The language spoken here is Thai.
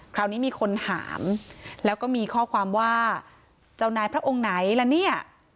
คราวนี้มีคนถามแล้วก็มีข้อความว่าเจ้านายพระองค์ไหนล่ะเนี่ย